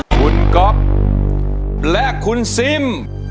คุณก๊อฟและคุณซิม